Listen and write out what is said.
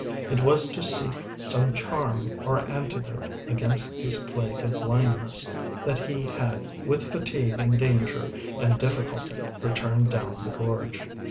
It was to seek some charm or antidote against this plague of blindness that he had with fatigue and danger and difficulty returned down the gorge.